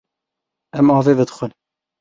Em avê vedixwin.